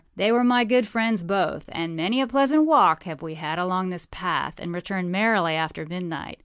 They were my good friends, both; and many a pleasant walk have we had along this path, and returned merrily after midnight.